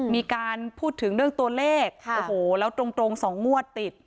มีการพูดถึงเรื่องตัวเลขโอ้โหแล้วตรง๒งวดติด